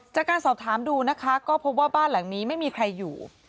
จากการสอบถามดูนะคะก็พบว่าบ้านหลังนี้ไม่มีใครอยู่